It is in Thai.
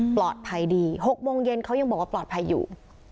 ปลอดภัยดี๖โมงเย็นเขายังบอกว่าปลอดภัยอยู่